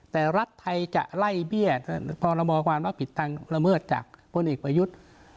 แต่รัฐไทยจะไล่เบี้ยพรมความรับผิดทางละเมิดจากพลเอกประยุทธ์